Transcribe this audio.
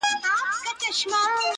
• چي جنګ سوړ سو میری تود سو -